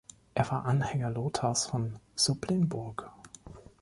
Er war Anhänger Lothars von Supplinburg.